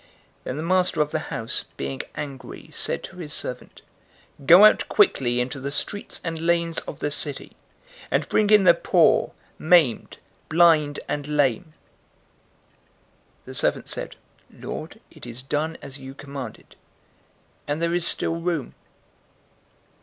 Then the master of the house, being angry, said to his servant, 'Go out quickly into the streets and lanes of the city, and bring in the poor, maimed, blind, and lame.' 014:022 "The servant said, 'Lord, it is done as you commanded, and there is still room.'